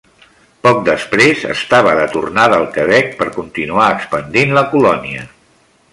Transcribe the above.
Poc després estava de tornada al Quebec per continuar expandint la colònia.